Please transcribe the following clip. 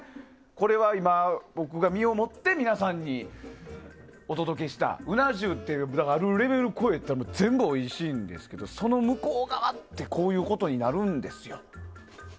これは今、僕が身をもって皆さんにお届けした、うな重っていうレベルを超えたら全部おいしいんですけどその向こう側ってこういうことになるんですよ。